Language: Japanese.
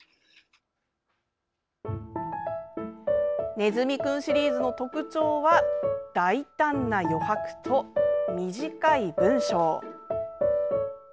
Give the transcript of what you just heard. ねずみくんシリーズの特徴は、大胆な余白と短い文章。